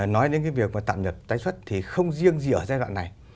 nói đến cái việc mà tạm nhập tái xuất thì không riêng gì ở giai đoạn này